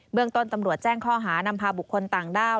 เมืองต้นตำรวจแจ้งข้อหานำพาบุคคลต่างด้าว